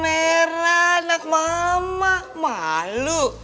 merah anak mama malu